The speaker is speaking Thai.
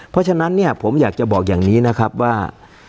เพราะฉะนั้นเนี่ยผมอยากจะบอกอย่างนี้นะครับว่า